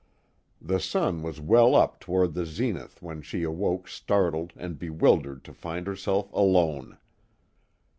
The sun was well up toward the zenith when she awoke startled and bexvildered to find herself alone.